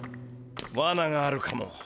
わながあるかも。